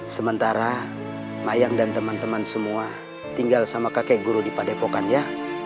sementara mayang dan teman teman semua tinggal sama kakek guru di padepokan ya